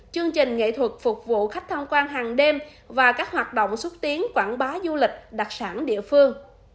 chương trình nghệ thuật phục vụ khách tham quan hàng đêm và các hoạt động xúc tiến quảng bá du lịch đặc sản địa phương